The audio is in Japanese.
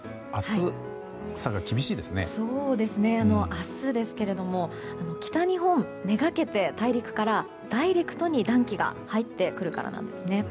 明日ですけれども北日本めがけて大陸からダイレクトに暖気が入ってくるからなんですね。